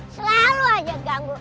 selalu aja ganggu